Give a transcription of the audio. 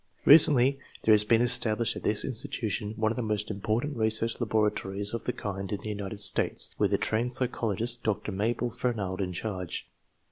Recently there has been established at this institution one of the most important research laboratories of the kind in the United States, with a trained psychologist, Dr. Mabel Fernald, in charge.